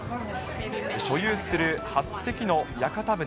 所有する８隻の屋形船。